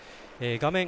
画面